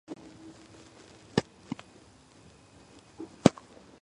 მაგრამ ასეთ ფულს ჰქონდა უამრავი მინუსი.